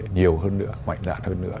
nhiều hơn nữa mạnh dạn hơn nữa